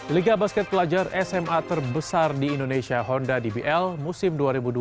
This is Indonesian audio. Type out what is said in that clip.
liga basket pelajar sma terbesar di indonesia honda dbl musim dua ribu dua puluh dua dua ribu dua puluh tiga